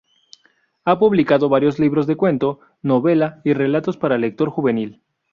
Ha publicado varios libros de cuento, novela y relatos para lector juvenil.